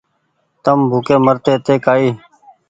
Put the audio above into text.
تم ڀوڪي مرتي تي ڪآئي